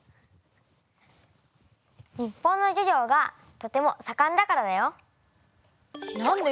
日本の漁業がとてもさかんだからだよ。